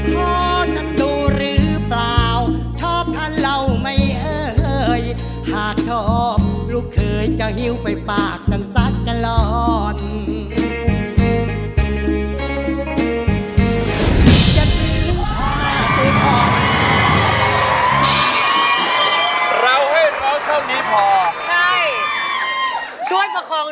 ขอท่านดูหรือเปล่าชอบท่านเล่าไหมเอ่ยหากชอบลูกเคยจะหิวไปปากกันสักตลอด